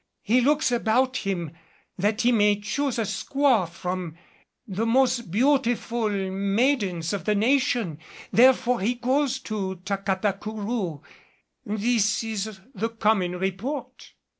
He looks about him that he may choose a squaw from the most beautiful maidens of the nation. Therefore he goes to Tacatacourou. This is the common report."